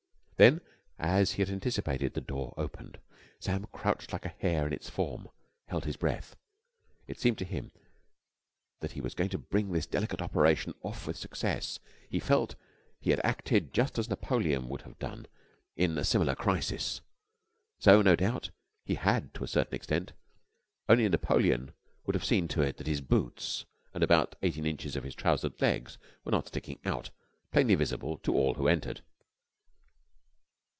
Then, as he had anticipated, the door opened. Sam, crouched like a hare in its form, held his breath. It seemed to him that he was going to bring this delicate operation off with success. He felt he had acted just as Napoleon would have done in a similar crisis. And so, no doubt, he had to a certain extent; only Napoleon would have seen to it that his boots and about eighteen inches of trousered legs were not sticking out, plainly visible to all who entered.